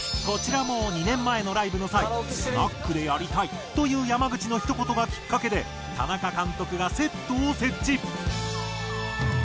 こちらも２年前のライブの際「スナックでやりたい」という山口のひと言がきっかけで田中監督がセットを設置。